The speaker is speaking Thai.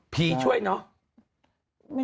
ผีช่วยนะ